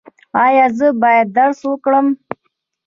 ایا زه باید درس ورکړم؟